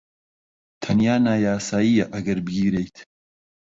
تەنیا نایاساییە ئەگەر بگیرێیت.